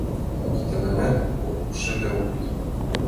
Иктыланат шыгыр ок лий.